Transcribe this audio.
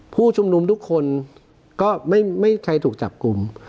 ผู้ชุมนุมทุกคนก็ไม่มีใครถูกจับกลุ่ม